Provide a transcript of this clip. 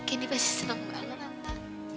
ini pasti senang banget